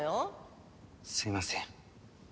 すいません。